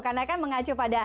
karena kan mengacu pandemi